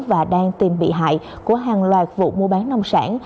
và đang tìm bị hại của hàng loạt vụ mua bán nông sản